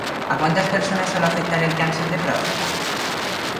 A quantes persones sol afectar el càncer de pròstata?